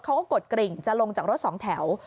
กดกริ่งจะลงจากรถสองแถว